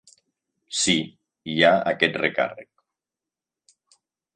Sí, hi ha aquest recàrrec.